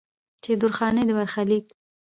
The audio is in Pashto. چې د درخانۍ د برخليک